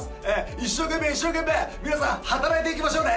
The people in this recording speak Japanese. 一生懸命一生懸命皆さん働いていきましょうね